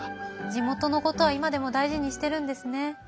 地元のことは今でも大事にしてるんですね。